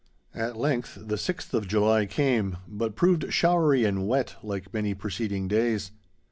At length the sixth of July came, but proved showery and wet like many preceding days.